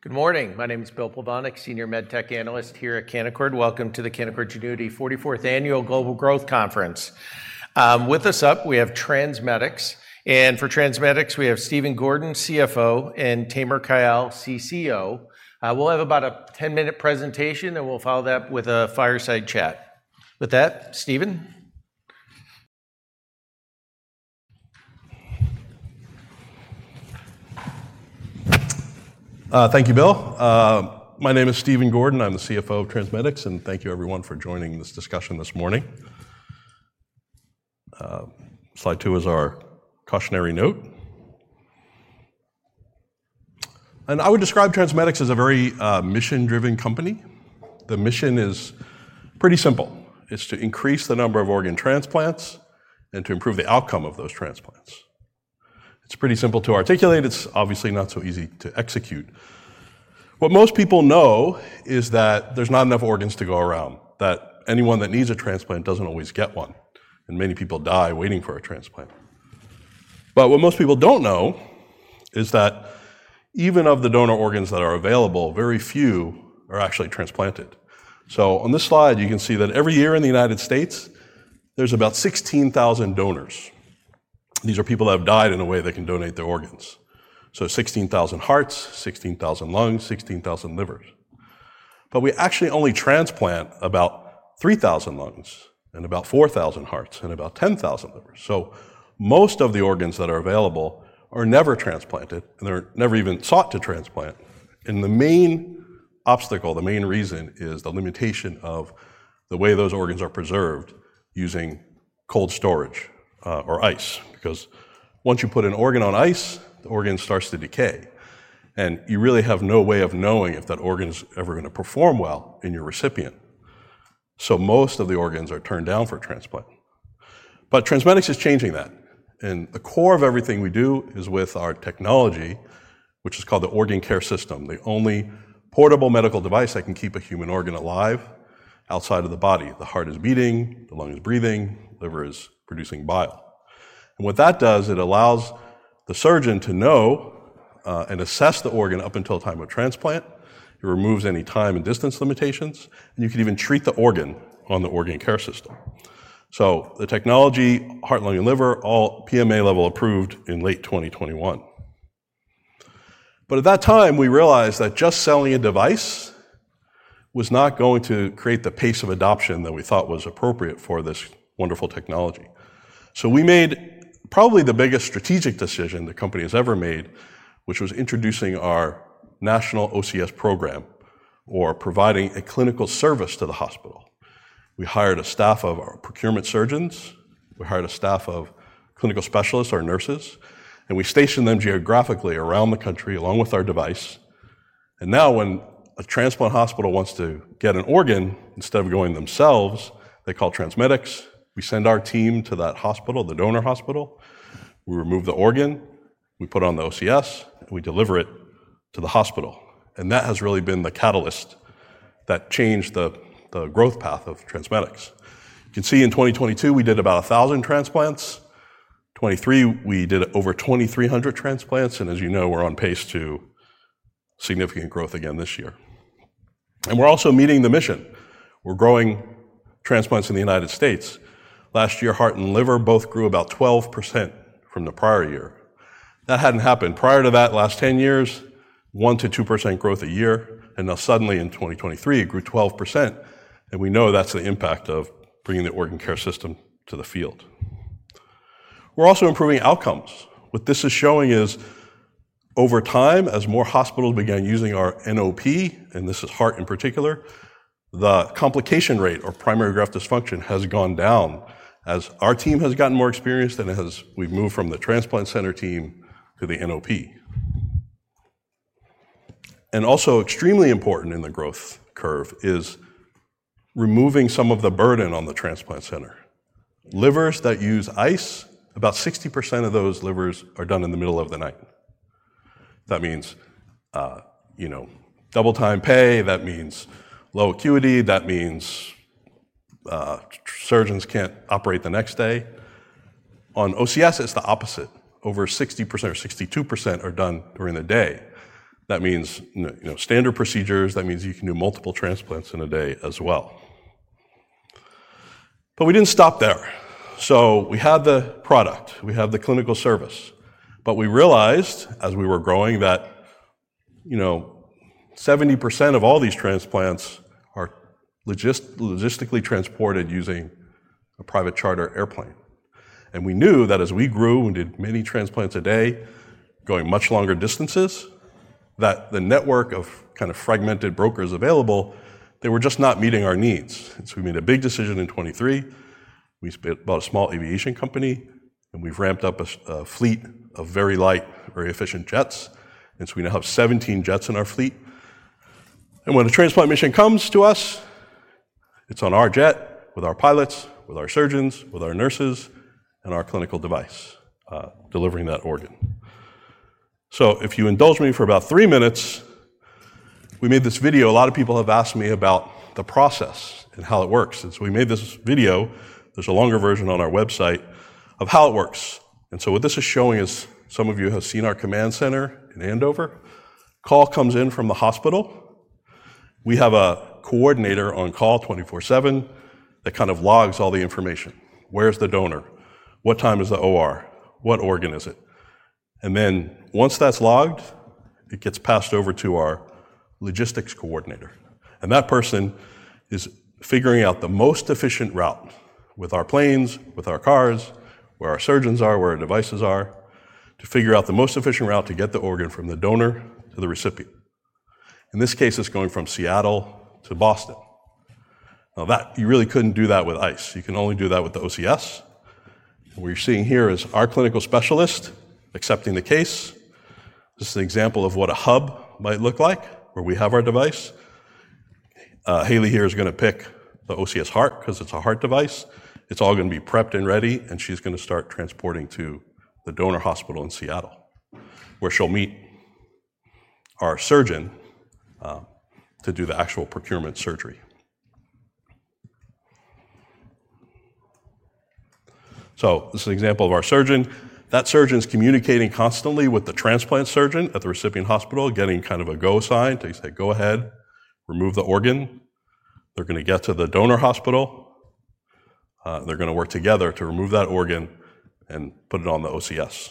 Good morning. My name is Bill Plovanic, Senior MedTech Analyst here at Canaccord. Welcome to the Canaccord Genuity 44th Annual Global Growth Conference. Thank you, Bill. My name is Stephen Gordon. I'm the CFO of TransMedics, and thank you, everyone, for joining this discussion this morning. Slide two is our cautionary note. I would describe TransMedics as a very mission-driven company. The mission is pretty simple: It's to increase the number of organ transplants and to improve the outcome of those transplants. It's pretty simple to articulate. It's obviously not so easy to execute. What most people know is that there's not enough organs to go around, that anyone that needs a transplant doesn't always get one, and many people die waiting for a transplant. But what most people don't know is that even of the donor organs that are available, very few are actually transplanted. So on this slide, you can see that every year in the United States, there's about 16,000 donors. These are people that have died in a way they can donate their organs. So 16,000 hearts, 16,000 lungs, 16,000 livers. But we actually only transplant about 3,000 lungs and about 4,000 hearts and about 10,000 livers. So most of the organs that are available are never transplanted, and they're never even sought to transplant, and the main obstacle, the main reason, is the limitation of the way those organs are preserved using cold storage, or ice, because once you put an organ on ice, the organ starts to decay, and you really have no way of knowing if that organ's ever gonna perform well in your recipient. So most of the organs are turned down for transplant. But TransMedics is changing that, and the core of everything we do is with our technology, which is called the Organ Care System, the only portable medical device that can keep a human organ alive outside of the body. The heart is beating, the lung is breathing, liver is producing bile. And what that does, it allows the surgeon to know and assess the organ up until time of transplant. It removes any time and distance limitations, and you can even treat the organ on the Organ Care System. So the technology, heart, lung, and liver, all PMA level approved in late 2021. But at that time, we realized that just selling a device was not going to create the pace of adoption that we thought was appropriate for this wonderful technology. So we made probably the biggest strategic decision the company has ever made, which was introducing our National OCS Program or providing a clinical service to the hospital. We hired a staff of our procurement surgeons, we hired a staff of clinical specialists or nurses, and we stationed them geographically around the country, along with our device. And now, when a transplant hospital wants to get an organ, instead of going themselves, they call TransMedics. We send our team to that hospital, the donor hospital, we remove the organ, we put it on the OCS, and we deliver it to the hospital. And that has really been the catalyst that changed the, the growth path of TransMedics. You can see in 2022, we did about 1,000 transplants. 2023, we did over 2,300 transplants, and as you know, we're on pace to significant growth again this year. And we're also meeting the mission. We're growing transplants in the United States. Last year, heart and liver both grew about 12% from the prior year. That hadn't happened. Prior to that last 10 years, 1%-2% growth a year, and now suddenly in 2023, it grew 12%, and we know that's the impact of bringing the Organ Care System to the field. We're also improving outcomes. What this is showing is over time, as more hospitals began using our NOP, and this is heart in particular, the complication rate or primary graft dysfunction has gone down as our team has gotten more experienced than it has... We've moved from the transplant center team to the NOP. And also extremely important in the growth curve is removing some of the burden on the transplant center. Livers that use ice, about 60% of those livers are done in the middle of the night. That means, you know, double time pay, that means low acuity, that means surgeons can't operate the next day. On OCS, it's the opposite. Over 60% or 62% are done during the day. That means you know, standard procedures, that means you can do multiple transplants in a day as well. But we didn't stop there. So we had the product, we had the clinical service, but we realized as we were growing that, you know, 70% of all these transplants are logistically transported using a private charter airplane. And we knew that as we grew and did many transplants a day, going much longer distances, that the network of kind of fragmented brokers available, they were just not meeting our needs. So we made a big decision in 2023. We bought a small aviation company, and we've ramped up a fleet of very light, very efficient jets, and so we now have 17 jets in our fleet. And when a transplant mission comes to us, it's on our jet with our pilots, with our surgeons, with our nurses, and our clinical device, delivering that organ. So if you indulge me for about three minutes... we made this video. A lot of people have asked me about the process and how it works, and so we made this video, there's a longer version on our website, of how it works. And so what this is showing is some of you have seen our command center in Andover. Call comes in from the hospital. We have a coordinator on call 24/7 that kind of logs all the information. Where's the donor? What time is the OR? What organ is it? And then once that's logged, it gets passed over to our logistics coordinator, and that person is figuring out the most efficient route with our planes, with our cars, where our surgeons are, where our devices are, to figure out the most efficient route to get the organ from the donor to the recipient. In this case, it's going from Seattle to Boston. Now, that you really couldn't do that with ice. You can only do that with the OCS. What you're seeing here is our clinical specialist accepting the case. This is an example of what a hub might look like, where we have our device. Haley here is gonna pick the OCS Heart 'cause it's a heart device. It's all gonna be prepped and ready, and she's gonna start transporting to the donor hospital in Seattle, where she'll meet our surgeon to do the actual procurement surgery. So this is an example of our surgeon. That surgeon's communicating constantly with the transplant surgeon at the recipient hospital, getting kind of a go sign to say, "Go ahead, remove the organ." They're gonna get to the donor hospital. They're gonna work together to remove that organ and put it on the OCS.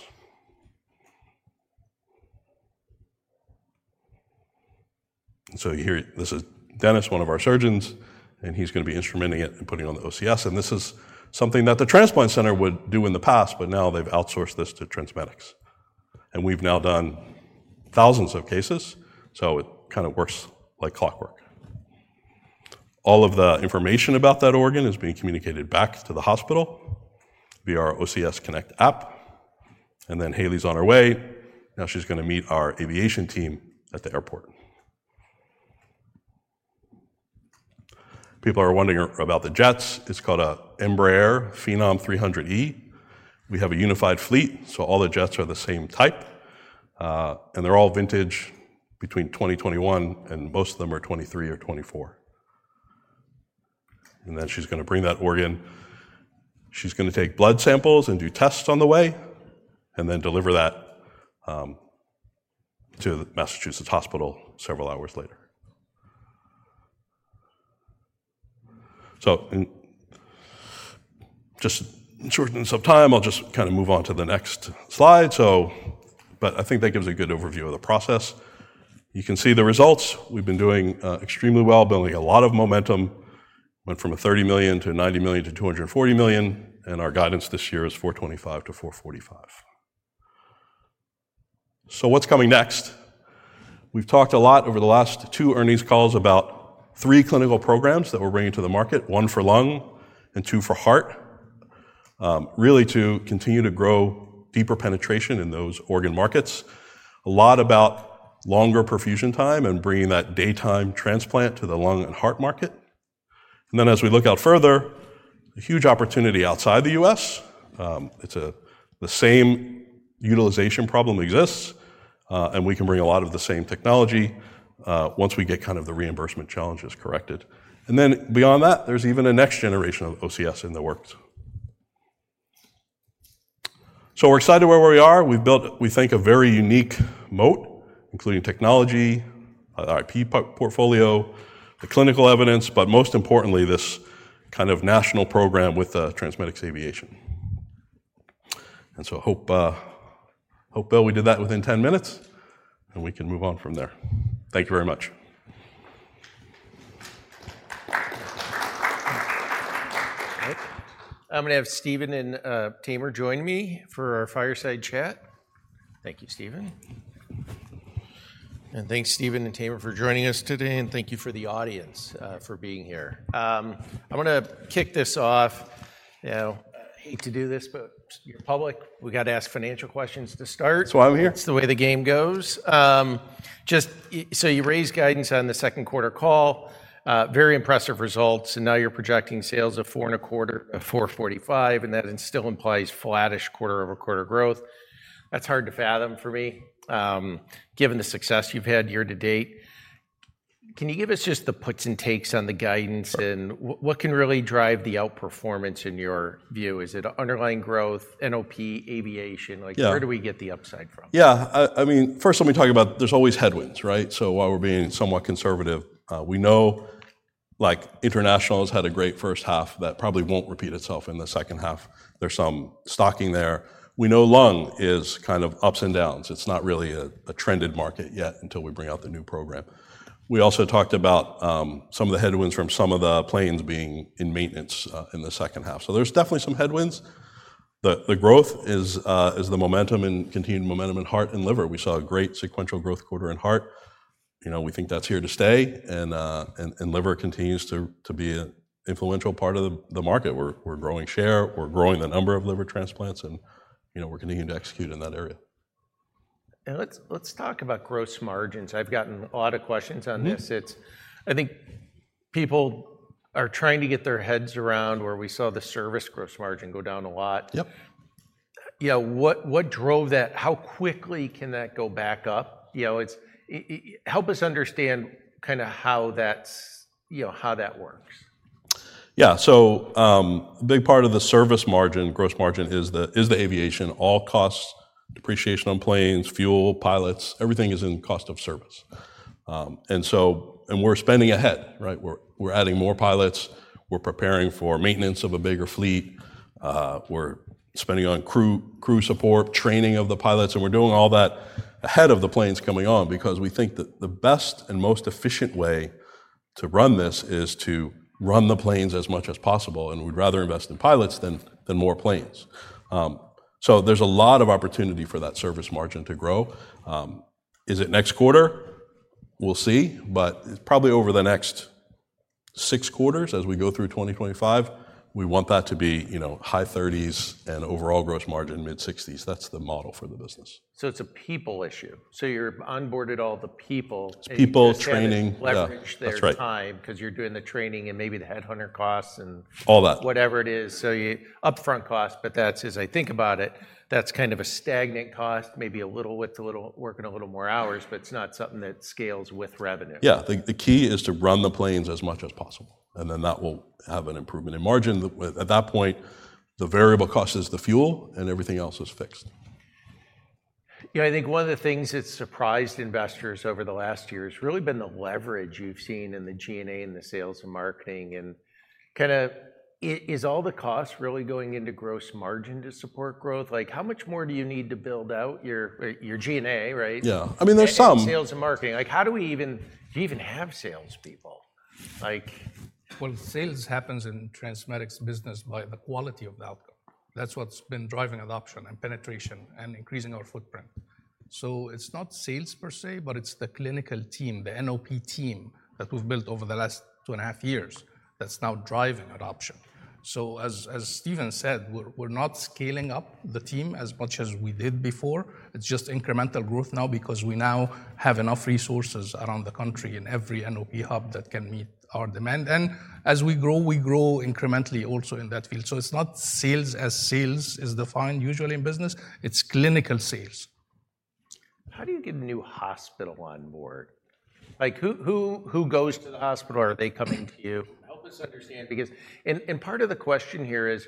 And so here, this is Dennis, one of our surgeons, and he's gonna be instrumenting it and putting it on the OCS, and this is something that the transplant center would do in the past, but now they've outsourced this to TransMedics. And we've now done thousands of cases, so it kinda works like clockwork. All of the information about that organ is being communicated back to the hospital via our OCS Connect app, and then Haley's on her way. Now she's gonna meet our aviation team at the airport. People are wondering about the jets. It's called an Embraer Phenom 300E. We have a unified fleet, so all the jets are the same type, and they're all vintage between 2021 and most of them are 2023 or 2024. And then she's gonna bring that organ. She's gonna take blood samples and do tests on the way, and then deliver that to the Massachusetts hospital several hours later. So in shortness of time, I'll just kinda move on to the next slide, so but I think that gives a good overview of the process. You can see the results. We've been doing extremely well, building a lot of momentum. Went from $30 million to $90 million to $240 million, and our guidance this year is $425 million to $445 million. So what's coming next? We've talked a lot over the last two earnings calls about three clinical programs that we're bringing to the market, one for lung and two for heart. Really to continue to grow deeper penetration in those organ markets. A lot about longer perfusion time and bringing that daytime transplant to the lung and heart market. And then, as we look out further, a huge opportunity outside the U.S. It's a-- the same utilization problem exists, and we can bring a lot of the same technology, once we get kind of the reimbursement challenges corrected. And then, beyond that, there's even a next generation of OCS in the works. So we're excited where we are. We've built, we think, a very unique moat, including technology, IP portfolio, the clinical evidence, but most importantly, this kind of national program with TransMedics Aviation. And so I hope, Bill, we did that within 10 minutes, and we can move on from there. Thank you very much. I'm gonna have Stephen and Tamer join me for our fireside chat. Thank you, Stephen. And thanks, Stephen and Tamer, for joining us today, and thank you for the audience for being here. I'm gonna kick this off. You know, I hate to do this, but you're public. We've got to ask financial questions to start. That's why I'm here. It's the way the game goes. Just so you raised guidance on the second quarter call. Very impressive results, and now you're projecting sales for the fourth quarter of $445, and that still implies flattish quarter-over-quarter growth. That's hard to fathom for me, given the success you've had year to date. Can you give us just the puts and takes on the guidance and what can really drive the outperformance in your view? Is it underlying growth, NOP, aviation- Yeah. Like, where do we get the upside from? Yeah, I mean, first let me talk about there's always headwinds, right? So while we're being somewhat conservative, we know, like, international has had a great first half that probably won't repeat itself in the second half. There's some stocking there. We know lung is kind of ups and downs. It's not really a trended market yet until we bring out the new program. We also talked about some of the headwinds from some of the planes being in maintenance in the second half. So there's definitely some headwinds. The growth is the momentum and continued momentum in heart and liver. We saw a great sequential growth quarter in heart. You know, we think that's here to stay, and liver continues to be an influential part of the market. We're growing share, we're growing the number of liver transplants, and, you know, we're continuing to execute in that area. Let's talk about gross margins. I've gotten a lot of questions on this. Mm. It's. I think people are trying to get their heads around where we saw the service gross margin go down a lot. Yep.... yeah, what, what drove that? How quickly can that go back up? You know, it's help us understand kind of how that's, you know, how that works. Yeah, so a big part of the service margin, gross margin is the aviation. All costs, depreciation on planes, fuel, pilots, everything is in cost of service. And we're spending ahead, right? We're adding more pilots, we're preparing for maintenance of a bigger fleet, we're spending on crew, crew support, training of the pilots, and we're doing all that ahead of the planes coming on because we think that the best and most efficient way to run this is to run the planes as much as possible, and we'd rather invest in pilots than more planes. So there's a lot of opportunity for that service margin to grow. Is it next quarter? We'll see, but probably over the next six quarters as we go through 2025, we want that to be, you know, high thirties and overall gross margin, mid-sixties. That's the model for the business. So it's a people issue. So you're onboarded all the people- It's people, training- Leverage their time- Yeah, that's right.... 'cause you're doing the training and maybe the headhunter costs, and- All that Whatever it is, so your upfront cost, but that's, as I think about it, that's kind of a static cost, maybe a little with the little working a little more hours, but it's not something that scales with revenue. Yeah. The key is to run the planes as much as possible, and then that will have an improvement in margin. At that point, the variable cost is the fuel, and everything else is fixed. Yeah, I think one of the things that's surprised investors over the last year has really been the leverage you've seen in the G&A, and the sales and marketing. And kind of, is all the costs really going into gross margin to support growth? Like, how much more do you need to build out your, your G&A, right? Yeah. I mean, there's some- Sales and marketing. Like, how do we even. Do you even have salespeople? Like... Well, sales happens in TransMedics' business by the quality of the outcome. That's what's been driving adoption and penetration and increasing our footprint. So it's not sales per se, but it's the clinical team, the NOP team, that we've built over the last 2.5 years, that's now driving adoption. So as Stephen said, we're not scaling up the team as much as we did before. It's just incremental growth now because we now have enough resources around the country in every NOP hub that can meet our demand. And as we grow, we grow incrementally also in that field. So it's not sales as sales is defined usually in business, it's clinical sales. How do you get a new hospital on board? Like, who, who, who goes to the hospital, or are they coming to you? Help us understand, because... And, and part of the question here is,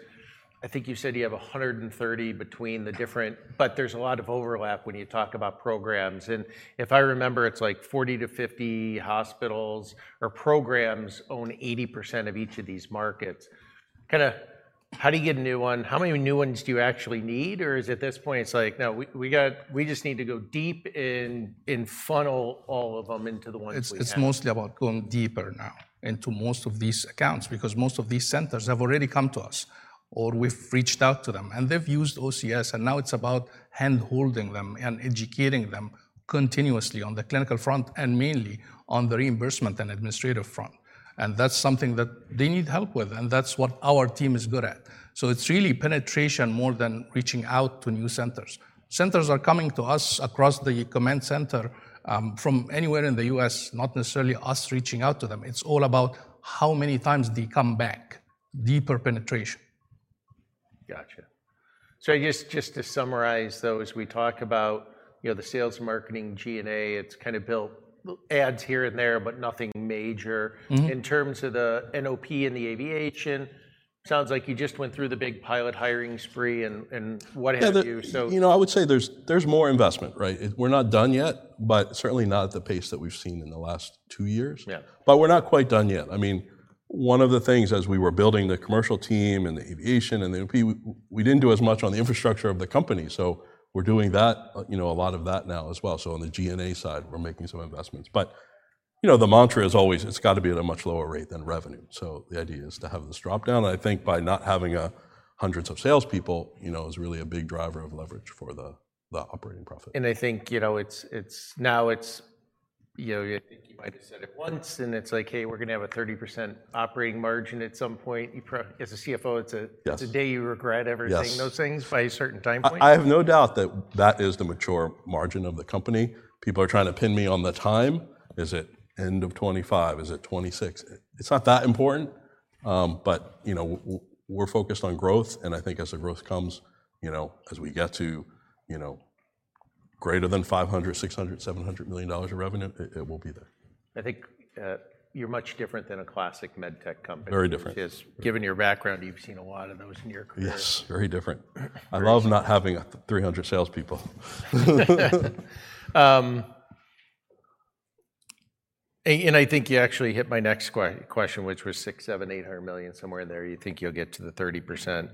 I think you said you have 130 between the different, but there's a lot of overlap when you talk about programs. And if I remember, it's like 40 hospitals-50 hospitals or programs own 80% of each of these markets. Kinda, how do you get a new one? How many new ones do you actually need, or is it at this point, it's like: "No, we, we got, we just need to go deep and, and funnel all of them into the ones we have? It's mostly about going deeper now into most of these accounts, because most of these centers have already come to us, or we've reached out to them, and they've used OCS, and now it's about handholding them and educating them continuously on the clinical front, and mainly on the reimbursement and administrative front. That's something that they need help with, and that's what our team is good at. It's really penetration more than reaching out to new centers. Centers are coming to us across the command center, from anywhere in the U.S., not necessarily us reaching out to them. It's all about how many times they come back, deeper penetration. Gotcha. So I guess, just to summarize, though, as we talk about, you know, the sales, marketing, G&A, it's kind of built adds here and there, but nothing major. Mm-hmm. In terms of the NOP and the aviation, sounds like you just went through the big pilot hiring spree, and what happened to you? So- Yeah. You know, I would say there's more investment, right? We're not done yet, but certainly not at the pace that we've seen in the last two years. Yeah. But we're not quite done yet. I mean, one of the things, as we were building the commercial team and the aviation and the NOP, we didn't do as much on the infrastructure of the company, so we're doing that, you know, a lot of that now as well. So on the G&A side, we're making some investments. But, you know, the mantra is always, it's got to be at a much lower rate than revenue. So the idea is to have this drop down, and I think by not having hundreds of salespeople, you know, is really a big driver of leverage for the operating profit. I think, you know, it's now, you know, you think you might have said it once, and it's like, "Hey, we're gonna have a 30% operating margin at some point." You as a CFO, it's a- Yes... it's a day you regret everything- Yes those things by a certain time point? I have no doubt that that is the mature margin of the company. People are trying to pin me on the time. Is it end of 2025? Is it 2026? It's not that important, but, you know, we're focused on growth, and I think as the growth comes, you know, as we get to, you know, greater than $500 million, $600 million, $700 million of revenue, it will be there. I think, you're much different than a classic Med Tech company. Very different. 'Cause given your background, you've seen a lot of those in your career. Yes, very different. Very- I love not having a 300 salespeople. And I think you actually hit my next question, which was $600 million-$800 million, somewhere in there, you think you'll get to the 30%.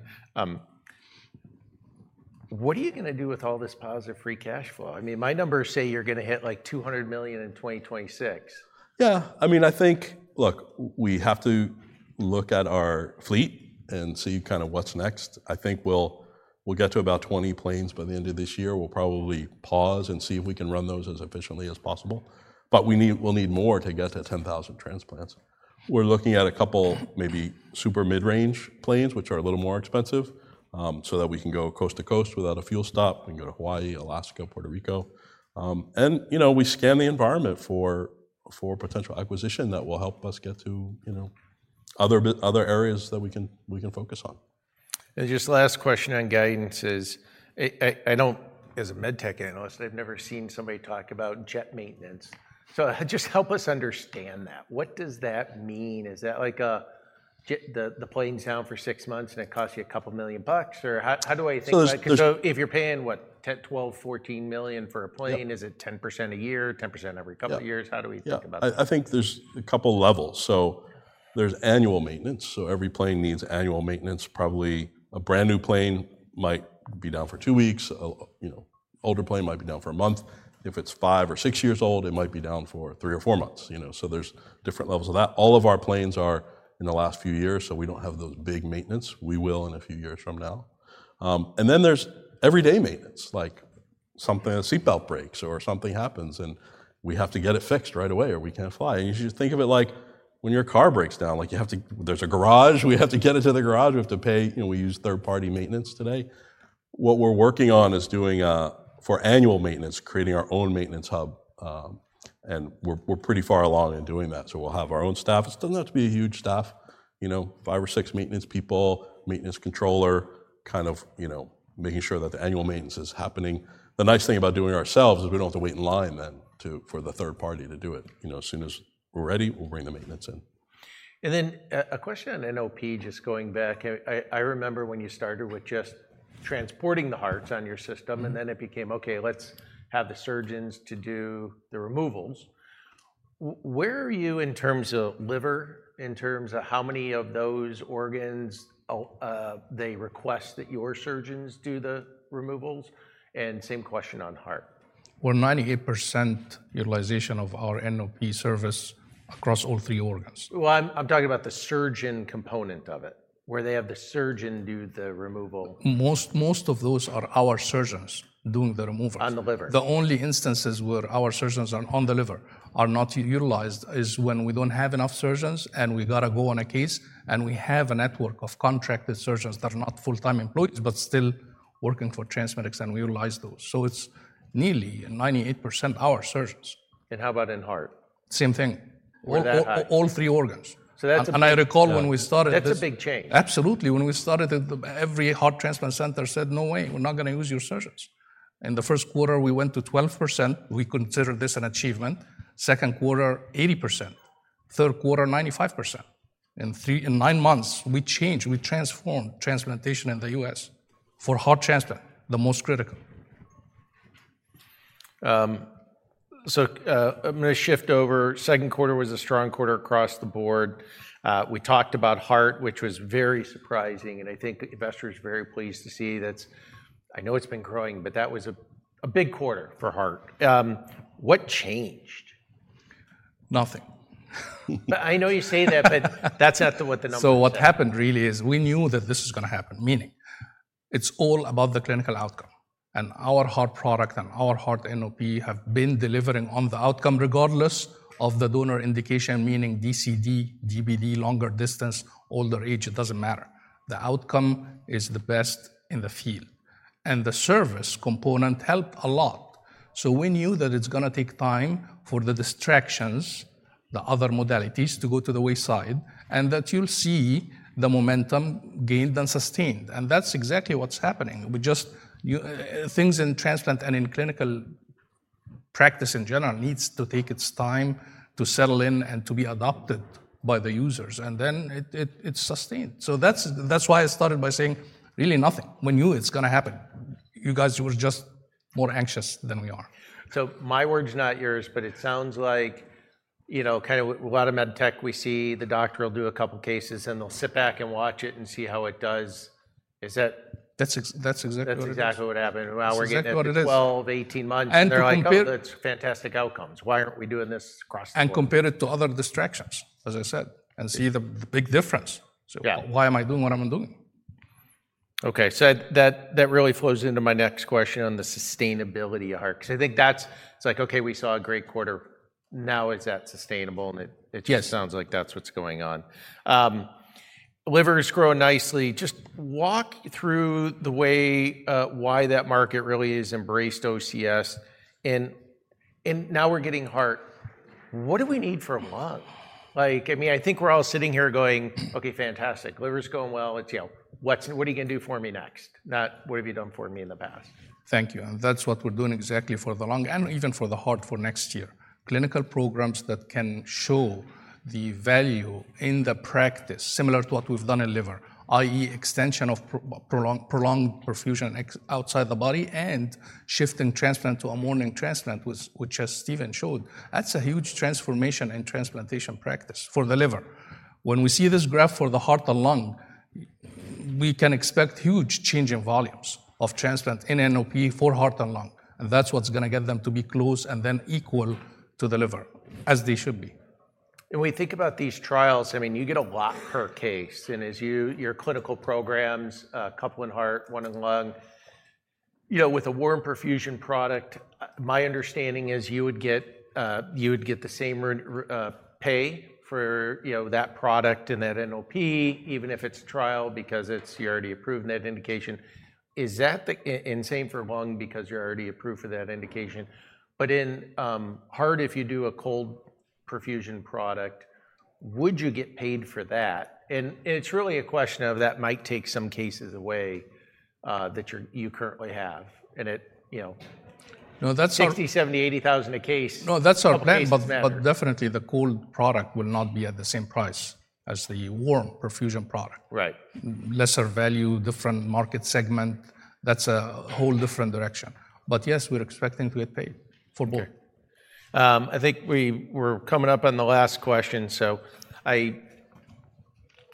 What are you gonna do with all this positive free cash flow? I mean, my numbers say you're gonna hit, like, $200 million in 2026. Yeah. I mean, I think... Look, we have to look at our fleet and see kind of what's next. I think we'll get to about 20 planes by the end of this year. We'll probably pause and see if we can run those as efficiently as possible. But we need - we'll need more to get to 10,000 transplants. We're looking at a couple maybe super mid-range planes, which are a little more expensive, so that we can go coast to coast without a fuel stop. We can go to Hawaii, Alaska, Puerto Rico. And, you know, we scan the environment for potential acquisition that will help us get to, you know, other areas that we can focus on. Just last question on guidance is, I don't, as a med tech analyst, I've never seen somebody talk about jet maintenance. So just help us understand that. What does that mean? Is that like a jet, the plane's down for six months, and it costs you $2 million? Or how do I think about it- So there's. 'Cause if you're paying, what, $10 million, $12 million, $14 million for a plane- Yep... is it 10% a year, 10% every couple years? Yep. How do we think about that? Yeah. I think there's a couple levels. So there's annual maintenance, so every plane needs annual maintenance. Probably a brand-new plane might be down for two weeks. You know, older plane might be down for a month. If it's five or six years old, it might be down for three or four months, you know, so there's different levels of that. All of our planes are in the last few years, so we don't have those big maintenance. We will in a few years from now. And then there's everyday maintenance, like something, a seatbelt breaks or something happens, and we have to get it fixed right away, or we can't fly. And you should think of it like when your car breaks down, like, you have to... There's a garage. We have to get it to the garage. We have to pay. You know, we use third-party maintenance today. What we're working on is doing for annual maintenance, creating our own maintenance hub, and we're pretty far along in doing that, so we'll have our own staff. It doesn't have to be a huge staff, you know, five or six maintenance people, maintenance controller, kind of, you know, making sure that the annual maintenance is happening. The nice thing about doing it ourselves is we don't have to wait in line then to for the third party to do it. You know, as soon as we're ready, we'll bring the maintenance in. And then, a question on NOP, just going back. I remember when you started with just transporting the hearts on your system, and then it became, "Okay, let's have the surgeons to do the removals." Where are you in terms of liver, in terms of how many of those organs they request that your surgeons do the removals? And same question on heart. We're 98% utilization of our NOP service across all three organs. Well, I'm talking about the surgeon component of it, where they have the surgeon do the removal. Most, most of those are our surgeons doing the removals. On the liver? The only instances where our surgeons on the liver are not utilized is when we don't have enough surgeons, and we've got to go on a case, and we have a network of contracted surgeons that are not full-time employees but still working for TransMedics, and we utilize those. So it's nearly, and 98%, our surgeons. How about in heart? Same thing. We're that high. All, all, all three organs. So that's a- I recall when we started this- That's a big change. Absolutely. When we started it, every heart transplant center said, "No way, we're not going to use your surgeons." In the first quarter, we went to 12%. We considered this an achievement. Second quarter, 80%. Third quarter, 95%. In nine months, we changed. We transformed transplantation in the U.S. for heart transplant, the most critical. So, I'm gonna shift over. Second quarter was a strong quarter across the board. We talked about heart, which was very surprising, and I think investors were very pleased to see that's... I know it's been growing, but that was a big quarter for heart. What changed? Nothing. I know you say that, but that's not what the numbers say. So what happened really is we knew that this was gonna happen, meaning it's all about the clinical outcome, and our heart product and our heart NOP have been delivering on the outcome regardless of the donor indication, meaning DCD, DBD, longer distance, older age, it doesn't matter. The outcome is the best in the field, and the service component helped a lot. We knew that it's gonna take time for the distractions, the other modalities, to go to the wayside, and that you'll see the momentum gained and sustained, and that's exactly what's happening. Things in transplant and in clinical practice, in general, needs to take its time to settle in and to be adopted by the users, and then it, it's sustained. That's why I started by saying really nothing. We knew it's gonna happen. You guys were just more anxious than we are. So my words, not yours, but it sounds like, you know, kind of a lot of med tech we see, the doctor will do a couple cases, and they'll sit back and watch it and see how it does. Is that? That's exactly what happened.... That's exactly what happened, and now we're getting- That's exactly what it is.... into 12 months-18 months- And to compare.... They're like, "Oh, that's fantastic outcomes. Why aren't we doing this across the board? Compare it to other distractions, as I said, and see the big difference. Yeah. Why am I doing what I'm doing? Okay, so that really flows into my next question on the sustainability of heart, 'cause I think that's... It's like, okay, we saw a great quarter. Now, is that sustainable? And it- Yes... it just sounds like that's what's going on. Liver is growing nicely. Just walk through the way why that market really has embraced OCS, and, and now we're getting heart. What do we need from lung? Like, I mean, I think we're all sitting here going, "Okay, fantastic. Liver's going well. It's, you know, what are you gonna do for me next?" Not what have you done for me in the past. Thank you, and that's what we're doing exactly for the lung and even for the heart for next year. Clinical programs that can show the value in the practice, similar to what we've done in liver, i.e., extension of prolonged perfusion outside the body, and shift in transplant to a morning transplant, which, as Stephen showed, that's a huge transformation in transplantation practice for the liver. When we see this graph for the heart and lung, we can expect huge change in volumes of transplant in NOP for heart and lung, and that's what's gonna get them to be close and then equal to the liver, as they should be. When we think about these trials, I mean, you get a lot per case, and as your clinical programs, a couple in heart, one in lung, you know, with a warm perfusion product, my understanding is you would get the same pay for, you know, that product and that NOP, even if it's a trial, because it's already approved in that indication. Is that the same for lung because you're already approved for that indication, but in heart, if you do a cold perfusion product, would you get paid for that? And it's really a question of that might take some cases away that you currently have, and it you know- No, that's our- $70,000, $80 ,000 a case. No, that's our plan- A couple cases matter. But definitely the cold product will not be at the same price as the warm perfusion product. Right. Lesser value, different market segment, that's a whole different direction. But yes, we're expecting to get paid for both. I think we're coming up on the last question, so I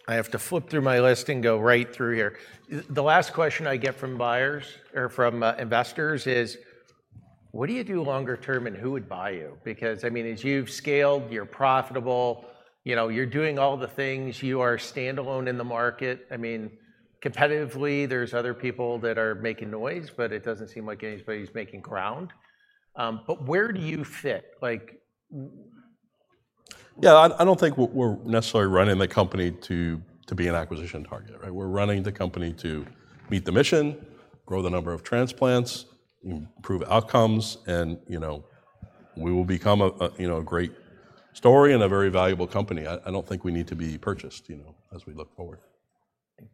have to flip through my list and go right through here. The last question I get from buyers or from investors is: what do you do longer term, and who would buy you? Because, I mean, as you've scaled, you're profitable, you know, you're doing all the things. You are standalone in the market. I mean, competitively, there's other people that are making noise, but it doesn't seem like anybody's making ground. But where do you fit? Like, w- Yeah, I don't think we're necessarily running the company to be an acquisition target, right? We're running the company to meet the mission, grow the number of transplants, improve outcomes, and, you know, we will become a great story and a very valuable company. I don't think we need to be purchased, you know, as we look forward.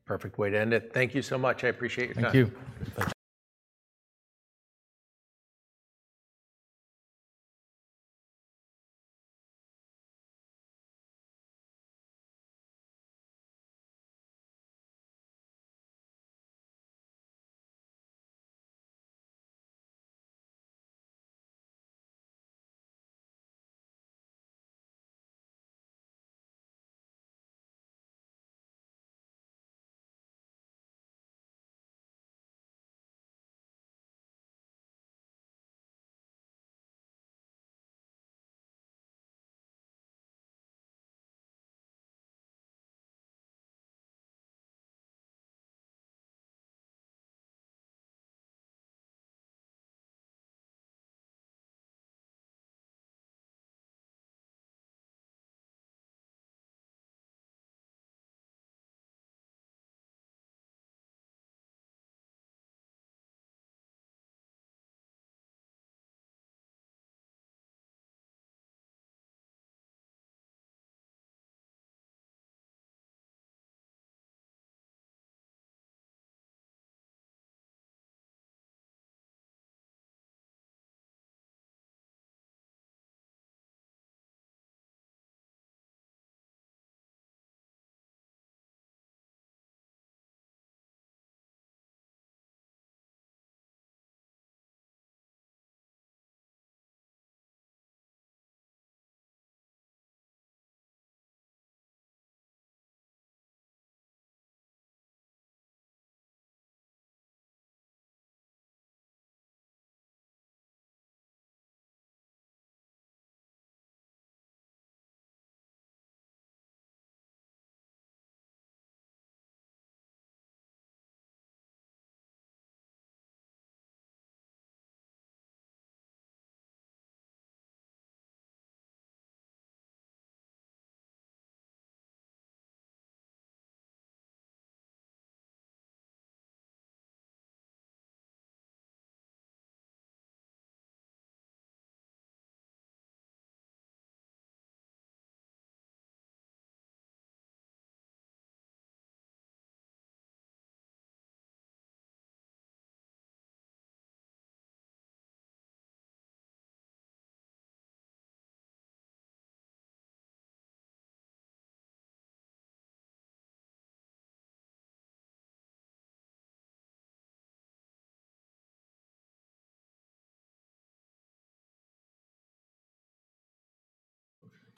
Perfect way to end it. Thank you so much. I appreciate your time. Thank you.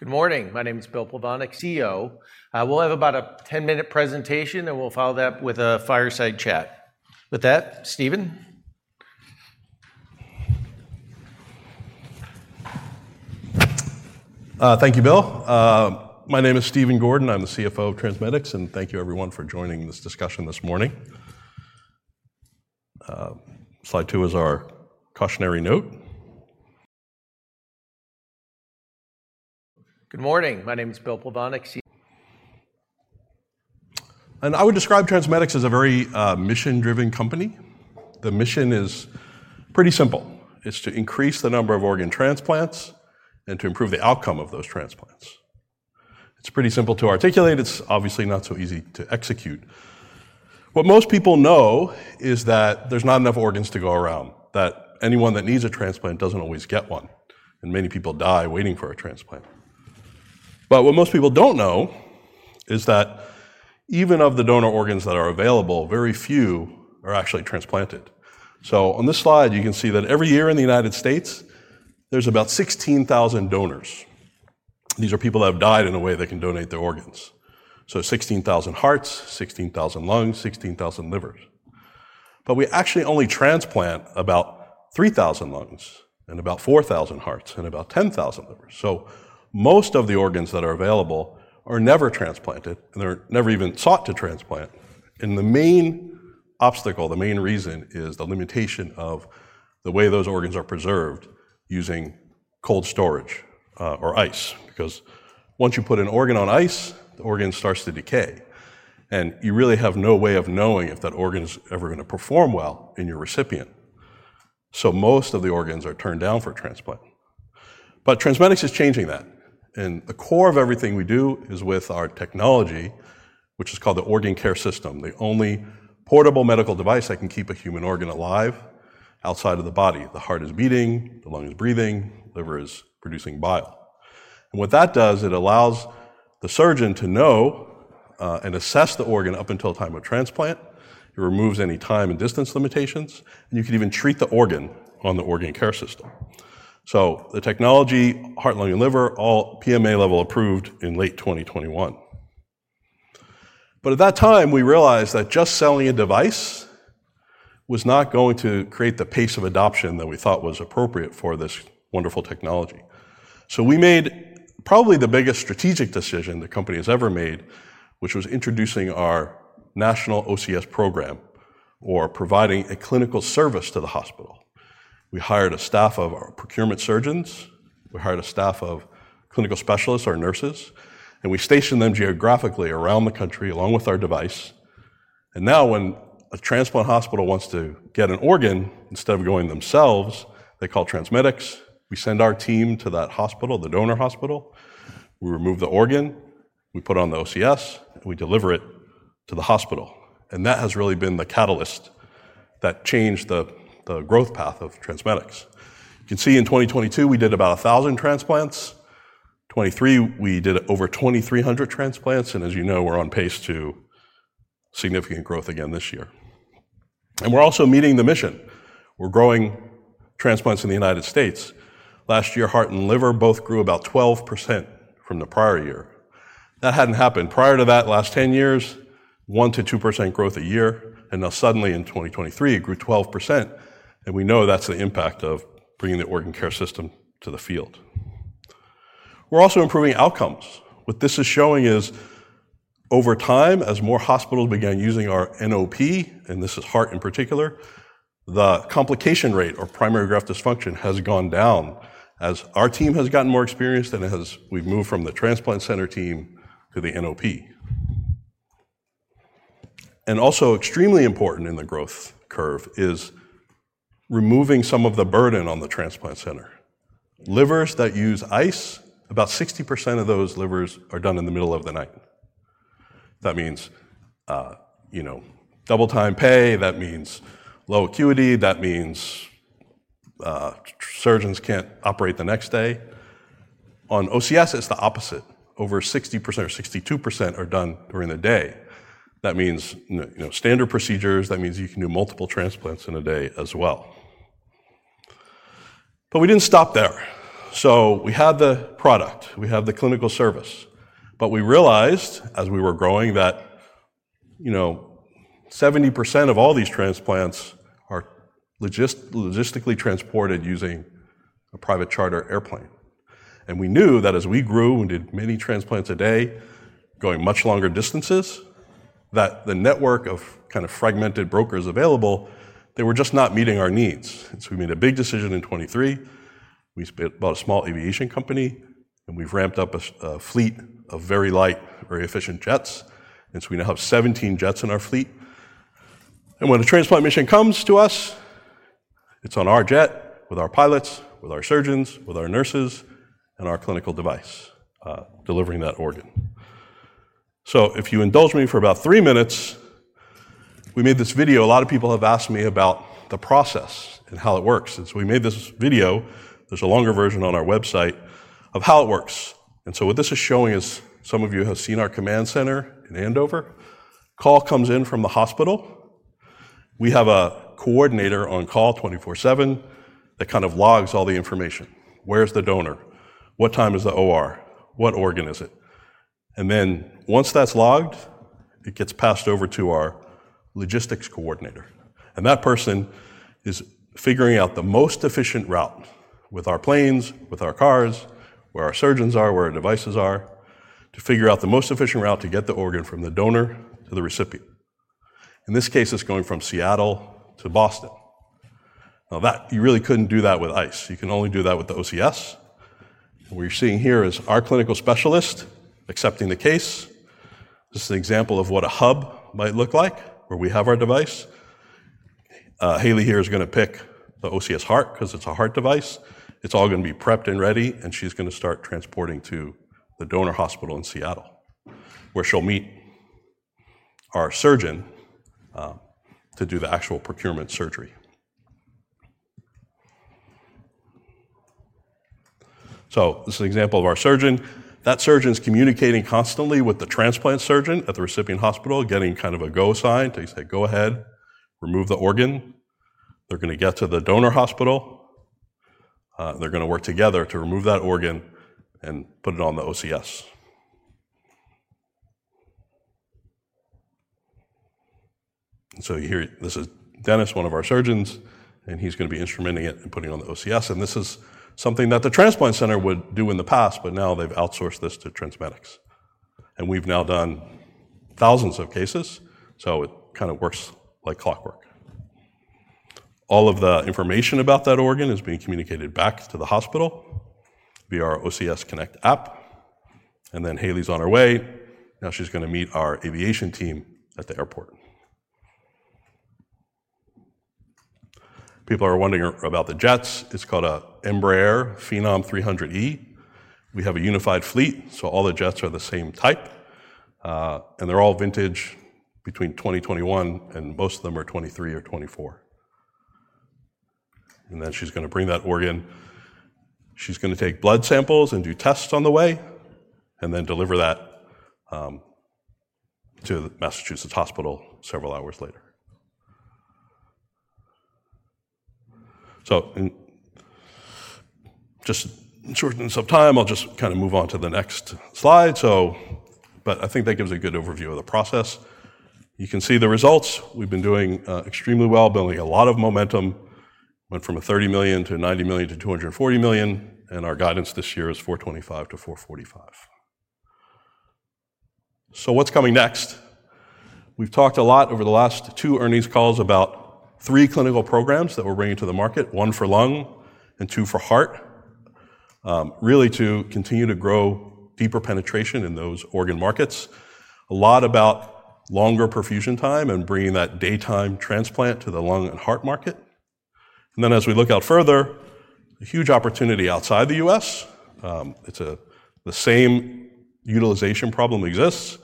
Thank you, Bill. My name is Stephen Gordon. I'm the CFO of TransMedics, and thank you everyone for joining this discussion this morning. Slide two is our cautionary note. Good morning. My name is Bill Plovanic. I would describe TransMedics as a very, mission-driven company. The mission is pretty simple. It's to increase the number of organ transplants and to improve the outcome of those transplants. It's pretty simple to articulate. It's obviously not so easy to execute. What most people know is that there's not enough organs to go around, that anyone that needs a transplant doesn't always get one, and many people die waiting for a transplant. But what most people don't know is that even of the donor organs that are available, very few are actually transplanted. So on this slide, you can see that every year in the United States, there's about 16,000 donors. These are people that have died in a way they can donate their organs, so 16,000 hearts, 16,000 lungs, 16,000 livers. But we actually only transplant about 3,000 lungs and about 4,000 hearts and about 10,000 livers. So most of the organs that are available are never transplanted, and they're never even sought to transplant, and the main obstacle, the main reason, is the limitation of the way those organs are preserved using cold storage, or ice. Because once you put an organ on ice, the organ starts to decay, and you really have no way of knowing if that organ's ever gonna perform well in your recipient... so most of the organs are turned down for transplant. But TransMedics is changing that, and the core of everything we do is with our technology, which is called the Organ Care System, the only portable medical device that can keep a human organ alive outside of the body. The heart is beating, the lung is breathing, liver is producing bile. And what that does, it allows the surgeon to know, and assess the organ up until time of transplant. It removes any time and distance limitations, and you can even treat the organ on the Organ Care System. So the technology, heart, lung, and liver, all PMA level approved in late 2021. But at that time, we realized that just selling a device was not going to create the pace of adoption that we thought was appropriate for this wonderful technology. So we made probably the biggest strategic decision the company has ever made, which was introducing our National OCS Program, or providing a clinical service to the hospital. We hired a staff of our procurement surgeons, we hired a staff of clinical specialists or nurses, and we stationed them geographically around the country, along with our device. And now, when a transplant hospital wants to get an organ, instead of going themselves, they call TransMedics. We send our team to that hospital, the donor hospital, we remove the organ, we put it on the OCS, and we deliver it to the hospital. And that has really been the catalyst that changed the, the growth path of TransMedics. You can see in 2022, we did about 1,000 transplants. 2023, we did over 2,300 transplants, and as you know, we're on pace to significant growth again this year. And we're also meeting the mission. We're growing transplants in the United States. Last year, heart and liver both grew about 12% from the prior year. That hadn't happened. Prior to that last 10 years, 1%-2% growth a year, and now suddenly in 2023, it grew 12%, and we know that's the impact of bringing the Organ Care System to the field. We're also improving outcomes. What this is showing is over time, as more hospitals began using our NOP, and this is heart in particular, the complication rate or primary graft dysfunction has gone down as our team has gotten more experienced and as we've moved from the transplant center team to the NOP. And also extremely important in the growth curve is removing some of the burden on the transplant center. Livers that use ice, about 60% of those livers are done in the middle of the night. That means, you know, double time pay, that means low acuity, that means surgeons can't operate the next day. On OCS, it's the opposite. Over 60% or 62% are done during the day. That means, you know, standard procedures, that means you can do multiple transplants in a day as well. But we didn't stop there. So we had the product, we had the clinical service, but we realized as we were growing that, you know, 70% of all these transplants are logistically transported using a private charter airplane. And we knew that as we grew and did many transplants a day, going much longer distances, that the network of kinda fragmented brokers available, they were just not meeting our needs. So we made a big decision in 2023. We bought a small aviation company, and we've ramped up a fleet of very light, very efficient jets, and so we now have 17 jets in our fleet. When a transplant mission comes to us, it's on our jet, with our pilots, with our surgeons, with our nurses, and our clinical device delivering that organ. So if you indulge me for about three minutes, we made this video. A lot of people have asked me about the process and how it works, and so we made this video. There's a longer version on our website of how it works. So what this is showing is some of you have seen our command center in Andover. Call comes in from the hospital. We have a coordinator on call 24/7 that kind of logs all the information. Where's the donor? What time is the OR? What organ is it? Then once that's logged, it gets passed over to our logistics coordinator, and that person is figuring out the most efficient route with our planes, with our cars, where our surgeons are, where our devices are, to figure out the most efficient route to get the organ from the donor to the recipient. In this case, it's going from Seattle to Boston. Now, that you really couldn't do that with ice. You can only do that with the OCS. What you're seeing here is our clinical specialist accepting the case. This is an example of what a hub might look like, where we have our device. Haley here is gonna pick the OCS Heart, 'cause it's a heart device. It's all gonna be prepped and ready, and she's gonna start transporting to the donor hospital in Seattle, where she'll meet our surgeon to do the actual procurement surgery. So this is an example of our surgeon. That surgeon's communicating constantly with the transplant surgeon at the recipient hospital, getting kind of a go sign to say, "Go ahead, remove the organ." They're gonna get to the donor hospital. They're gonna work together to remove that organ and put it on the OCS. And so here, this is Dennis, one of our surgeons, and he's gonna be instrumenting it and putting it on the OCS, and this is something that the transplant center would do in the past, but now they've outsourced this to TransMedics. And we've now done thousands of cases, so it kind of works like clockwork. All of the information about that organ is being communicated back to the hospital via our OCS Connect app... and then Haley's on her way. Now she's gonna meet our aviation team at the airport. People are wondering about the jets. It's called a Embraer Phenom 300E. We have a unified fleet, so all the jets are the same type. And they're all vintage between 2021, and most of them are 2023 or 2024. And then she's gonna bring that organ. She's gonna take blood samples and do tests on the way, and then deliver that to the Massachusetts Hospital several hours later. So just in shortness of time, I'll just kinda move on to the next slide, so, but I think that gives a good overview of the process. You can see the results. We've been doing extremely well, building a lot of momentum. Went from a $30 million to $90 million to $240 million, and our guidance this year is $425 million-$445 million. So what's coming next? We've talked a lot over the last two earnings calls about three clinical programs that we're bringing to the market, one for lung and two for heart. Really to continue to grow deeper penetration in those organ markets. A l about longer perfusion time and bringing that daytime transplant to the lung and heart market. And then, as we look out further, a huge opportunity outside the U.S. It's the same utilization problem exists,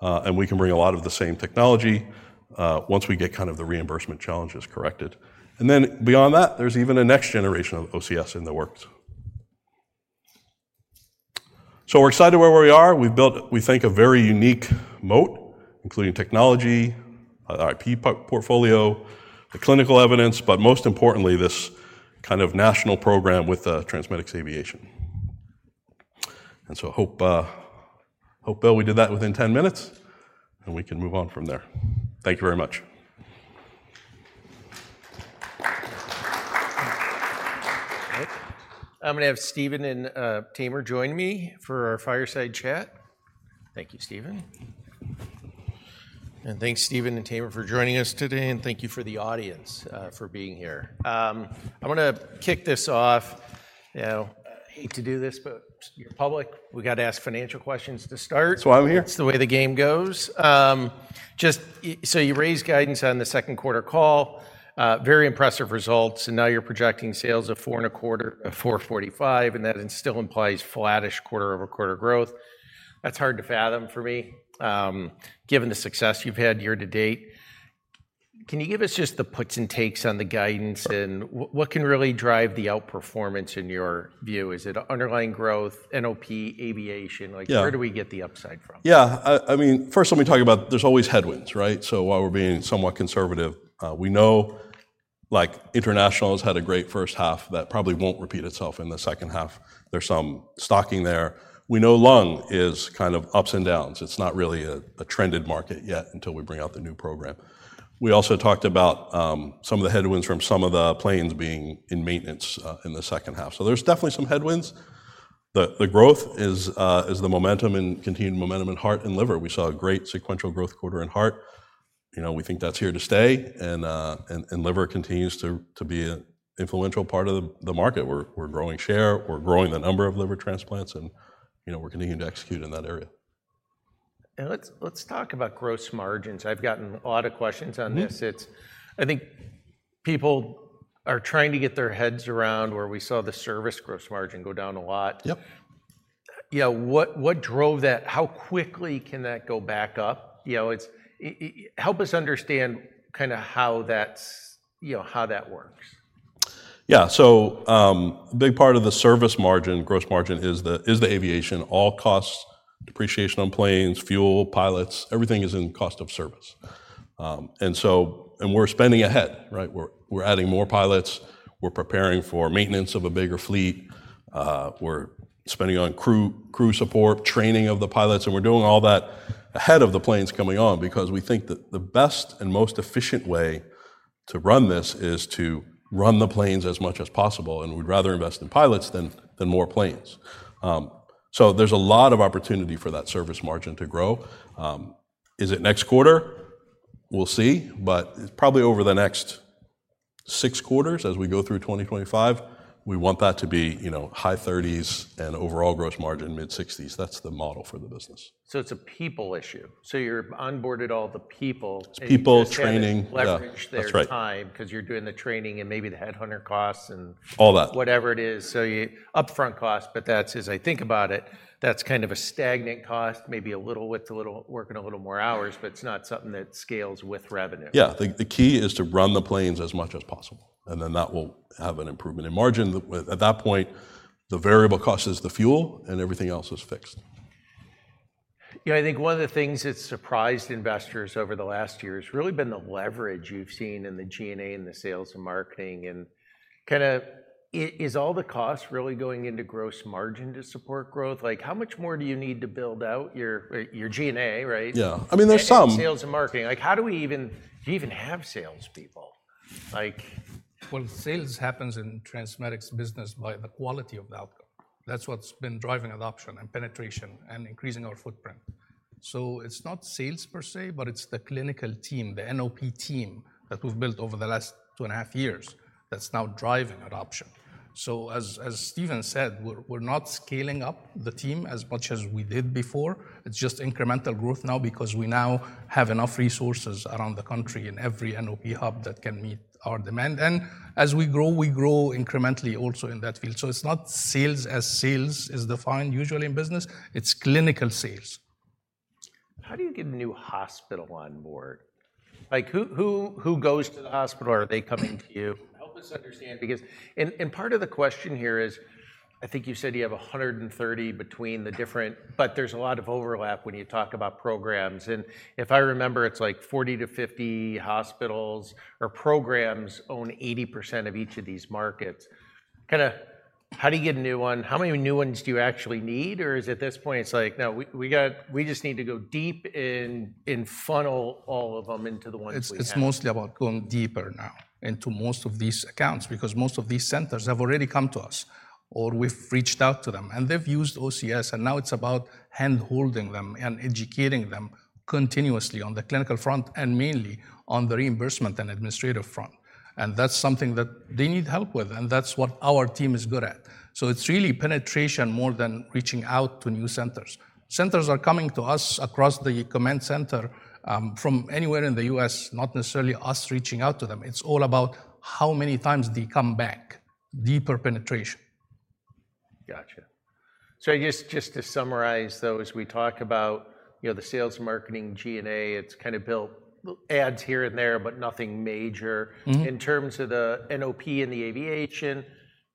and we can bring a lot of the same technology, once we get kind of the reimbursement challenges corrected. And then, beyond that, there's even a next generation of OCS in the works. So we're excited where we are. We've built, we think, a very unique moat, including technology, IP portfolio, the clinical evidence, but most importantly, this kind of national program with TransMedics Aviation. And so I hope, Bill, we did that within 10 minutes, and we can move on from there. Thank you very much. I'm gonna have Stephen and Tamer join me for our fireside chat. Thank you, Stephen. And thanks, Stephen and Tamer, for joining us today, and thank you for the audience for being here. I wanna kick this off. You know, I hate to do this, but you're public. We gotta ask financial questions to start. That's why I'm here. It's the way the game goes. Just so you raised guidance on the second quarter call, very impressive results, and now you're projecting sales of $425, of $445, and that still implies flattish quarter-over-quarter growth. That's hard to fathom for me, given the success you've had year-to-date. Can you give us just the puts and takes on the guidance and what can really drive the outperformance in your view? Is it underlying growth, NOP, aviation- Yeah. Like, where do we get the upside from? Yeah, I mean, first let me talk about there's always headwinds, right? So while we're being somewhat conservative, we know, like, international has had a great first half that probably won't repeat itself in the second half. There's some stocking there. We know lung is kind of ups and downs. It's not really a trended market yet until we bring out the new program. We also talked about some of the headwinds from some of the planes being in maintenance in the second half. So there's definitely some headwinds. The growth is the momentum and continued momentum in heart and liver. We saw a great sequential growth quarter in heart. You know, we think that's here to stay, and liver continues to be an influential part of the market. We're growing share, we're growing the number of liver transplants, and, you know, we're continuing to execute in that area. Let's talk about gross margins. I've gotten a lot of questions on this. Mm-hmm. It's, I think, people are trying to get their heads around where we saw the service gross margin go down a lot. Yep. You know, what drove that? How quickly can that go back up? You know, it's... Help us understand kinda how that's, you know, how that works. Yeah, so a big part of the service margin, gross margin, is the aviation. All costs, depreciation on planes, fuel, pilots, everything is in cost of service. And so, and we're spending ahead, right? We're adding more pilots, we're preparing for maintenance of a bigger fleet, we're spending on crew, crew support, training of the pilots, and we're doing all that ahead of the planes coming on because we think that the best and most efficient way to run this is to run the planes as much as possible, and we'd rather invest in pilots than more planes. So there's a lot of opportunity for that service margin to grow. Is it next quarter? We'll see, but probably over the next six quarters as we go through 2025, we want that to be, you know, high 30s and overall gross margin, mid-60s. That's the model for the business. So it's a people issue. So you're onboarded all the people- It's people, training- Just gotta leverage their time- That's right. ’Cause you’re doing the training and maybe the headhunter costs and- All that... whatever it is, so your upfront cost, but that's, as I think about it, that's kind of a stagnant cost, maybe a little with the little, working a little more hours, but it's not something that scales with revenue. Yeah, the key is to run the planes as much as possible, and then that will have an improvement in margin. At that point, the variable cost is the fuel, and everything else is fixed. Yeah, I think one of the things that's surprised investors over the last year has really been the leverage you've seen in the G&A and the sales and marketing, and kinda is all the costs really going into gross margin to support growth? Like, how much more do you need to build out your, your G&A right? Yeah. I mean, there's some. Sales and marketing. Like, how do we even? Do you even have salespeople? Like- Well, sales happens in TransMedics' business by the quality of the outcome. That's what's been driving adoption and penetration and increasing our footprint. So it's not sales per se, but it's the clinical team, the NOP team, that we've built over the last 2.5 years, that's now driving adoption. So as, as Steven said, we're, we're not scaling up the team as much as we did before. It's just incremental growth now because we now have enough resources around the country in every NOP hub that can meet our demand. And as we grow, we grow incrementally also in that field. So it's not sales as sales is defined usually in business. It's clinical sales. How do you get a new hospital on board? Like, who, who, who goes to the hospital, or are they coming to you? Help us understand, because... And, and part of the question here is, I think you said you have 130 between the different-- but there's a lot of overlap when you talk about programs. And if I remember, it's like 40 hospitals-50 hospitals or programs own 80% of each of these markets. Kinda, how do you get a new one? How many new ones do you actually need? Or is it at this point it's like, "No, we, we got-- we just need to go deep in, and funnel all of them into the ones we have? It's mostly about going deeper now into most of these accounts, because most of these centers have already come to us, or we've reached out to them. They've used OCS, and now it's about hand-holding them and educating them continuously on the clinical front, and mainly on the reimbursement and administrative front. That's something that they need help with, and that's what our team is good at. It's really penetration more than reaching out to new centers. Centers are coming to us across the command center from anywhere in the U.S., not necessarily us reaching out to them. It's all about how many times they come back, deeper penetration. Gotcha. So I guess just to summarize, though, as we talk about, you know, the sales, marketing, G&A, it's kind of built ads here and there, but nothing major. Mm-hmm. In terms of the NOP and the aviation, and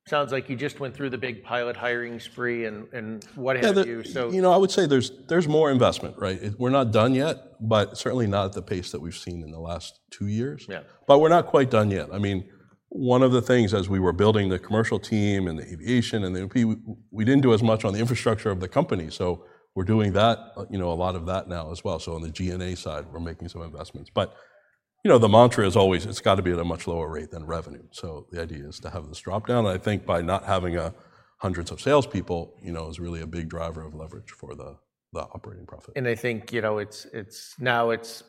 sounds like you just went through the big pilot hiring spree and what happened to you, so- Yeah, you know, I would say there's more investment, right? We're not done yet, but certainly not at the pace that we've seen in the last two years. Yeah. But we're not quite done yet. I mean, one of the things as we were building the commercial team and the aviation and the NOP, we didn't do as much on the infrastructure of the company, so we're doing that, you know, a lot of that now as well. So on the G&A side, we're making some investments. But, you know, the mantra is always: It's got to be at a much lower rate than revenue. So the idea is to have this drop-down, and I think by not having a hundreds of salespeople, you know, is really a big driver of leverage for the operating profit. And I think, you know, it's now, you know, you think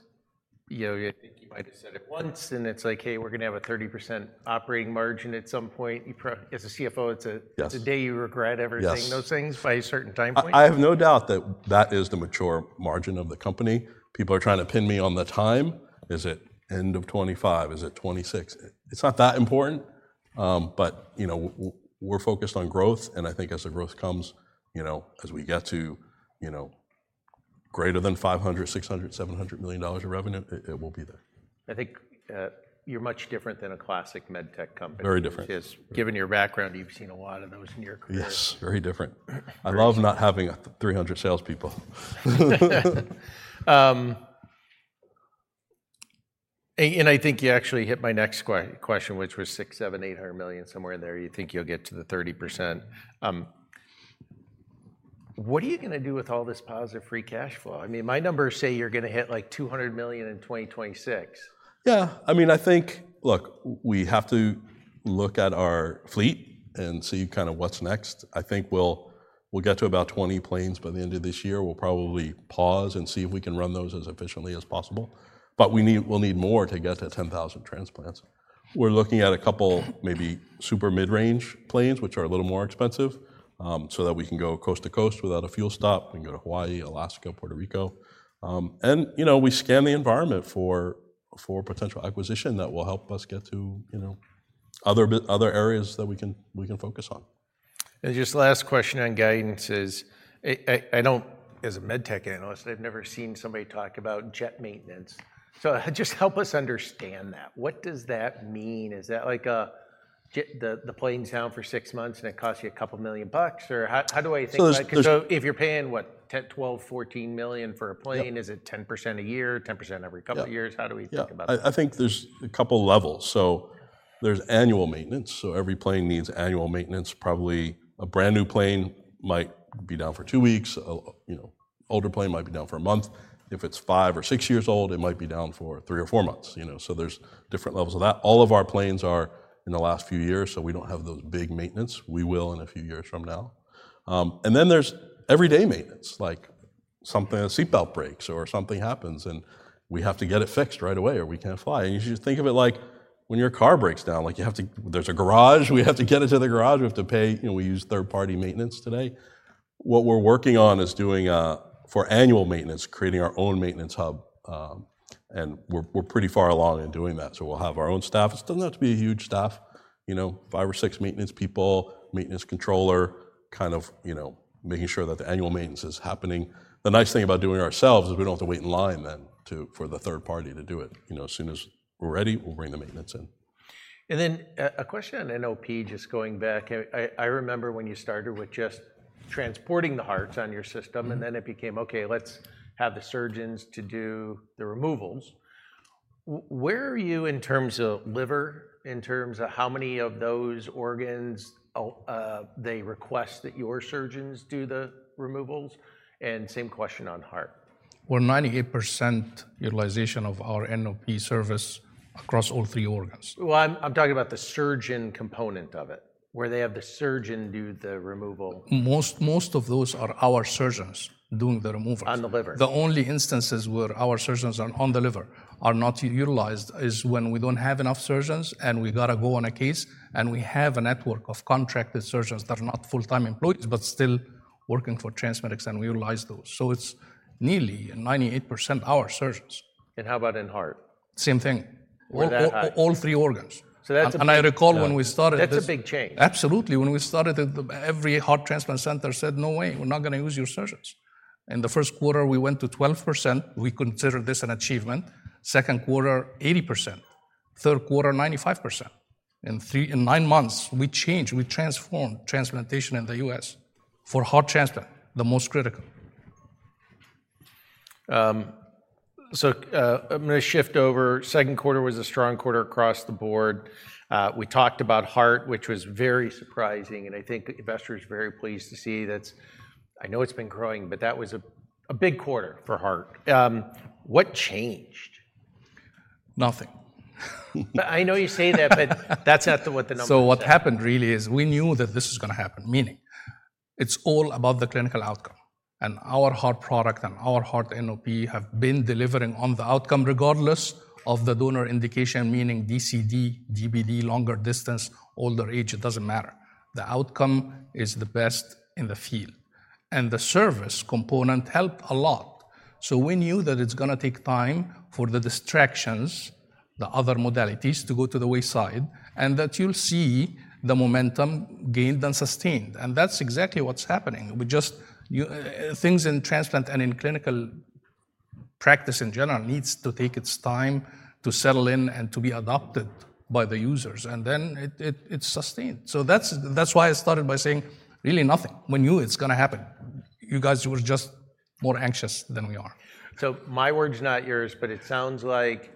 you might have said it once, and it's like, "Hey, we're gonna have a 30% operating margin at some point." As a CFO, it's a- Yes... it's a day you regret everything- Yes those things by a certain time point? I have no doubt that that is the mature margin of the company. People are trying to pin me on the time. Is it end of 2025? Is it 2026? It's not that important, but, you know, we're focused on growth, and I think as the growth comes, you know, as we get to, you know, greater than $500 million, $600 million, $700 million in revenue, it, it will be there. I think, you're much different than a classic med tech company. Very different. Just given your background, you've seen a lot of those in your career. Yes, very different. Very. I love not having a 300 salespeople. I think you actually hit my next question, which was $600 million-$800 million, somewhere in there, you think you'll get to the 30%. What are you gonna do with all this positive free cash flow? I mean, my numbers say you're gonna hit, like, $200 million in 2026. Yeah, I mean, I think... Look, we have to look at our fleet and see kind of what's next. I think we'll get to about 20 planes by the end of this year. We'll probably pause and see if we can run those as efficiently as possible. But we'll need more to get to 10,000 transplants. We're looking at a couple maybe super mid-range planes, which are a little more expensive, so that we can go coast to coast without a fuel stop. We can go to Hawaii, Alaska, Puerto Rico. And, you know, we scan the environment for potential acquisition that will help us get to, you know, other areas that we can focus on. Just last question on guidance. As a MedTech analyst, I don't, I've never seen somebody talk about jet maintenance. So just help us understand that. What does that mean? Is that like a jet, the plane's down for six months, and it costs you a couple million bucks? Or how do I think about it? So there's-... So if you're paying, what, $10 million, $12 million, $14 million for a plane- Yep... is it 10% a year, 10% every couple years? Yep. How do we think about that? Yeah. I think there's a couple levels. So there's annual maintenance, so every plane needs annual maintenance. Probably a brand-new plane might be down for two weeks. You know, older plane might be down for a month. If it's five or six years old, it might be down for three or four months, you know, so there's different levels of that. All of our planes are in the last few years, so we don't have those big maintenance. We will in a few years from now. And then there's everyday maintenance, like something, a seatbelt breaks or something happens, and we have to get it fixed right away, or we can't fly. And you should think of it like when your car breaks down, like you have to... There's a garage. We have to get it to the garage. We have to pay. You know, we use third-party maintenance today. What we're working on is doing for annual maintenance, creating our own maintenance hub, and we're pretty far along in doing that. So we'll have our own staff. It doesn't have to be a huge staff, you know, five or six maintenance people, maintenance controller, kind of, you know, making sure that the annual maintenance is happening. The nice thing about doing it ourselves is we don't have to wait in line then to for the third party to do it. You know, as soon as we're ready, we'll bring the maintenance in. And then, a question on NOP, just going back. I remember when you started with just transporting the hearts on your system- Mm-hmm... and then it became, "Okay, let's have the surgeons to do the removals." Where are you in terms of liver, in terms of how many of those organs they request that your surgeons do the removals? And same question on heart. Well, 98% utilization of our NOP service across all three organs. Well, I'm talking about the surgeon component of it, where they have the surgeon do the removal. Most, most of those are our surgeons doing the removals. On the liver? The only instances where our surgeons on the liver are not utilized is when we don't have enough surgeons, and we've gotta go on a case, and we have a network of contracted surgeons that are not full-time employees, but still working for TransMedics, and we utilize those. So it's nearly, and 98%, our surgeons. How about in heart? Same thing. We're that high? All three organs. So that's a- I recall when we started this- That's a big change. Absolutely. When we started it, every heart transplant center said, "No way, we're not gonna use your surgeons." In the first quarter, we went to 12%. We considered this an achievement. Second quarter, 80%; third quarter, 95%. In nine months, we changed, we transformed transplantation in the U.S. for heart transplant, the most critical. So, I'm gonna shift over. Second quarter was a strong quarter across the board. We talked about heart, which was very surprising, and I think investors were very pleased to see that's... I know it's been growing, but that was a big quarter for heart. What changed? Nothing. I know you say that, that's not what the numbers say. So what happened really is, we knew that this was gonna happen, meaning it's all about the clinical outcome, and our heart product and our heart NOP have been delivering on the outcome regardless of the donor indication, meaning DCD, DBD, longer distance, older age, it doesn't matter. The outcome is the best in the field. And the service component helped a lot. So we knew that it's gonna take time for the distractions, the other modalities, to go to the wayside, and that you'll see the momentum gained and sustained, and that's exactly what's happening. We just, you... Things in transplant and in clinical practice in general needs to take its time to settle in and to be adopted by the users, and then it, it, it's sustained. So that's, that's why I started by saying really nothing. We knew it's gonna happen. You guys were just more anxious than we are. So my words, not yours, but it sounds like,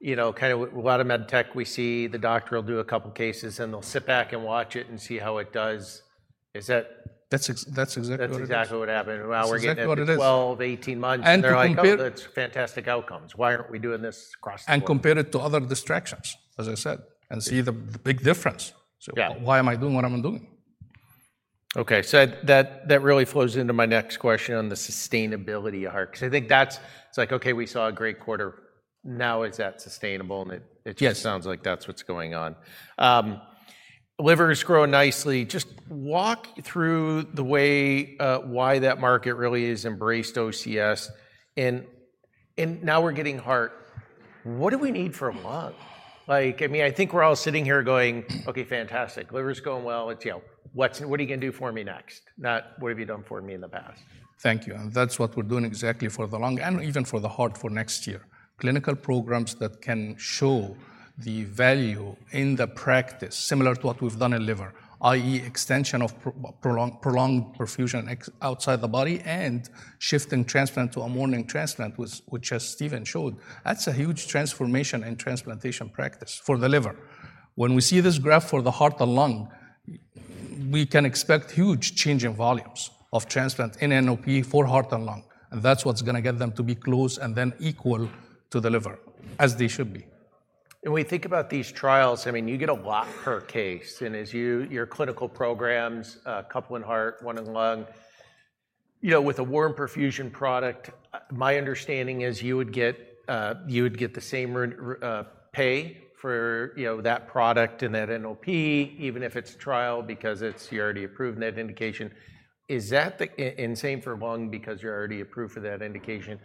you know, kind of a lot of med tech we see, the doctor will do a couple cases, and they'll sit back and watch it and see how it does. Is that? That's exactly what it is. That's exactly what happened, and now we're getting- That's what it is.... 12 months, 18 months, and they're like- To compare- Oh, that's fantastic outcomes. Why aren't we doing this across the board? Compare it to other distractions, as I said, and see the big difference. Yeah. Why am I doing what I'm doing? Okay, so that, that really flows into my next question on the sustainability of heart, because I think that's... It's like, okay, we saw a great quarter. Now, is that sustainable? And it- Yes... it just sounds like that's what's going on. Liver is growing nicely. Just walk through the way why that market really has embraced OCS, and, and now we're getting heart. What do we need for lung? Like, I mean, I think we're all sitting here going: "Okay, fantastic. Liver's going well. It's, you know, what's, what are you gonna do for me next?" Not, "What have you done for me in the past? Thank you, and that's what we're doing exactly for the lung and even for the heart for next year. Clinical programs that can show the value in the practice, similar to what we've done in liver, i.e., extension of prolonged, prolonged perfusion ex vivo, outside the body and shift in transplant to a morning transplant, which, as Stephen showed, that's a huge transformation in transplantation practice for the liver. When we see this graph for the heart and lung, we can expect huge change in volumes of transplant in NOP for heart and lung, and that's what's gonna get them to be close and then equal to the liver, as they should be. And we think about these trials. I mean, you get a lot per case, and as your clinical programs, a couple in heart, one in lung, you know, with a warm perfusion product, my understanding is you would get you would get the same pay for, you know, that product and that NOP, even if it's trial, because it's already approved in that indication. Is that the... and same for lung because you're already approved for that indication,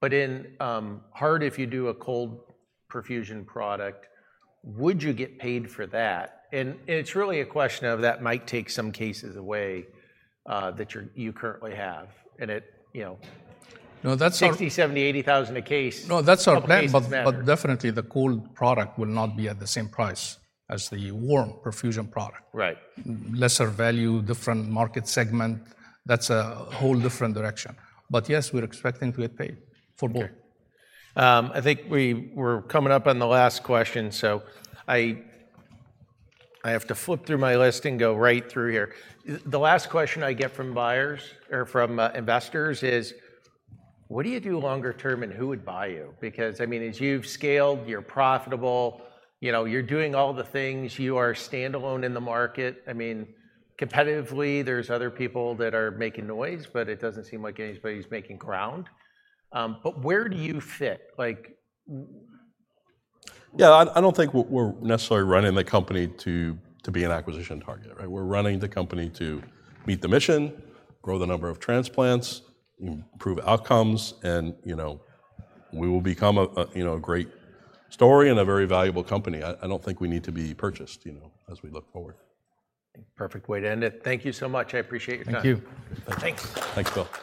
but in heart, if you do a cold perfusion product, would you get paid for that? And it's really a question of that might take some cases away that you currently have, and it, you know- No, that's our- $60,000, $70,000, $80,000 a case- No, that's our plan-... a couple cases matter... but definitely the cold product will not be at the same price as the warm perfusion product. Right. Lesser value, different market segment. That's a whole different direction, but, yes, we're expecting to get paid for both. I think we're coming up on the last question, so I have to flip through my list and go right through here. The last question I get from buyers or from investors is: What do you do longer term, and who would buy you? Because, I mean, as you've scaled, you're profitable, you know, you're doing all the things. You are standalone in the market. I mean, competitively, there's other people that are making noise, but it doesn't seem like anybody's making ground. But where do you fit, like- Yeah, I don't think we're necessarily running the company to be an acquisition target, right? We're running the company to meet the mission, grow the number of transplants, improve outcomes, and, you know, we will become a you know, a great story and a very valuable company. I don't think we need to be purchased, you know, as we look forward. Perfect way to end it. Thank you so much. I appreciate your time. Thank you. Thanks. Thanks, Bill.